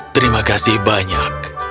terima kasih banyak